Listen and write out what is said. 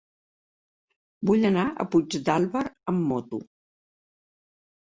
Vull anar a Puigdàlber amb moto.